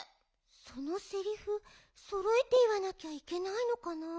そのセリフそろえていわなきゃいけないのかな。